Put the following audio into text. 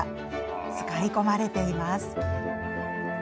使い込まれています。